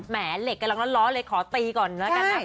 แหมเหล็กกำลังร้อนเลยขอตีก่อนแล้วกันนะ